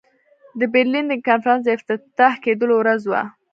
د برلین د کنفرانس د افتتاح کېدلو ورځ وه.